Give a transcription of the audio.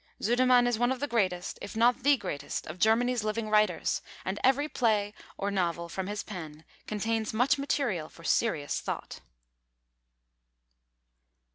Sudermann is one of the greatest, if not the greatest, of Germany's living writers, and every play or novel from his pen contains much material for serious thought.